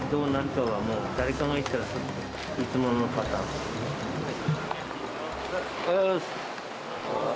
おはようございます。